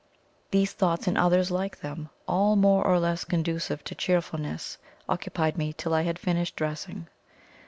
These thoughts, and others like them, all more or less conducive to cheerfulness, occupied me till I had finished dressing.